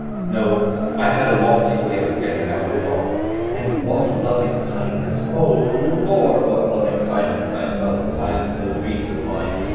No, I had a lofty way of getting out of it all. And what loving kindness, oh Lord, what loving kindness I felt at times in those dreams of mine!